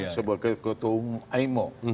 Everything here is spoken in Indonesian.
sebagai ketua umum aimo